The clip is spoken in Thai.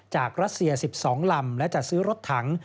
รัสเซีย๑๒ลำและจัดซื้อรถถัง